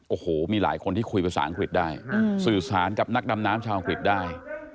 โอ้โหมีหลายคนที่คุยภาษาอังกฤษได้สื่อสารกับนักดำน้ำชาวอังกฤษได้